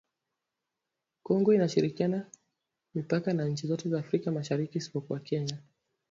Kongo inashirikiana mipaka na nchi zote za Afrika Mashariki isipokuwa Kenya